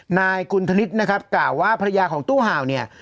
นายกุณธนิษฐ์นะครับกล่าวว่าภรรยาของตู้เห่าเนี่ย